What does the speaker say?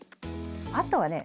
あとはね